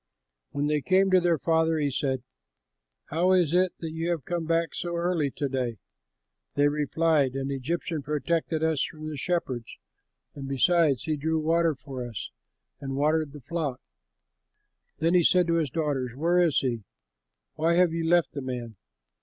When they came to their father, he said, "How is it that you have come back so early to day?" They replied, "An Egyptian protected us from the shepherds, and besides, he drew water for us and watered the flock." Then he said to his daughters, "Where is he? Why have you left the man?